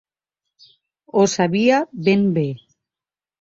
Ho sabia ben bé.